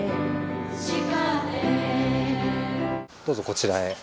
どうぞこちらへ。